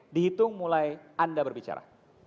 dihitung mulai anda berbicara